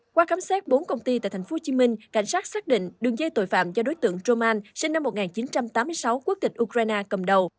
qua khám xét bốn công ty tại tp hcm cảnh sát xác định đường dây tội phạm do đối tượng roman sinh năm một nghìn chín trăm tám mươi sáu quốc tịch ukraine cầm đầu